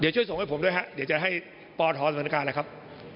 เดี๋ยวช่วยส่งให้ผมด้วยครับเดี๋ยวจะให้ปอธสำนักการณ์นะครับ